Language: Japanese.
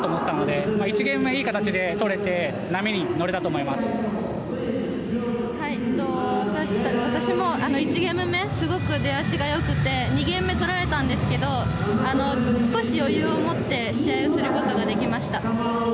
私も１ゲーム目すごく出だしが良くて２ゲーム目取られたんですけど少し余裕を持って試合をすることができました。